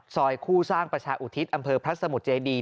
คู่สร้างประชาอุทิศอำเภอพระสมุทรเจดี